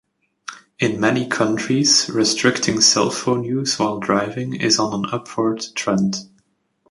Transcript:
In many countries, restricting cell phone use while driving is on an upward trend.